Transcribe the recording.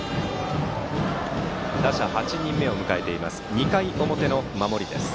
打者８人目を迎えている２回の表の守りです。